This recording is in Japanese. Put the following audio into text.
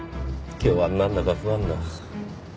今日はなんだか不安だ。